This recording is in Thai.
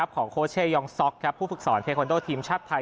ของโคทรเชอยองซอกผู้ฝึกสอนเทคโนโลทีมชาติไทย